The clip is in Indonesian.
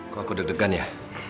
kok aku deg degan ya